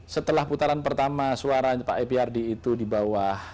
setelah putaran pertama suara pak eprd itu di bawah